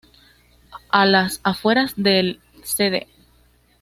A las afueras de Cd.